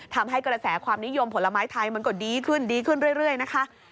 ทำให้กระแสความนิยมผลไม้ไทยมันก็ดีขึ้นดีขึ้นเรื่อยนะคะ